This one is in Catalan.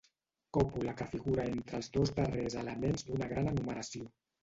Còpula que figura entre els dos darrers elements d'una gran enumeració.